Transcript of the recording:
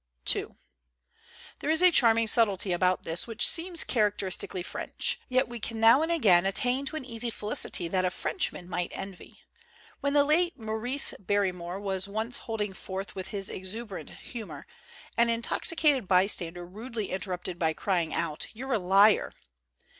THE GENTLE ART OF REPARTEE II THERE is a charming subtlety about this which seems characteristically French. Yet we can now and again attain to an easy felicity that a Frenchman might envy. When the late Maurice Barrymore was once holding forth with his exuberant humor, an intoxicated bystander rudely interrupted by crying out, "You're a liar!"